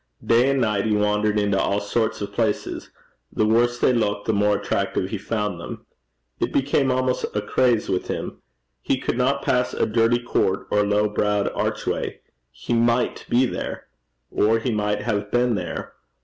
Day and night he wandered into all sorts of places: the worse they looked the more attractive he found them. It became almost a craze with him. He could not pass a dirty court or low browed archway. He might be there. Or he might have been there.